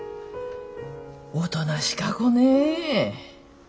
おとなしか子ね。